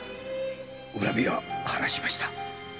「恨みは晴らしました。